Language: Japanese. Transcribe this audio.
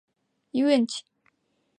遊園地